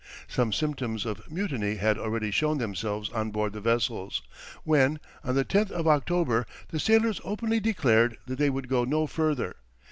Some symptoms of mutiny had already shown themselves on board the vessels, when, on the 10th of October, the sailors openly declared that they would go no further.